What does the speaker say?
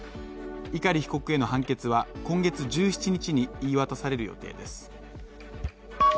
碇被告への判決は今月１７日に言い渡される予定です。